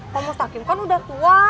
pak mustaqim kan udah tua